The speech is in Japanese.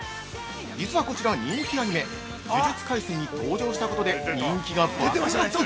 実は、こちら人気アニメ「呪術廻戦」に登場したことで人気が爆発！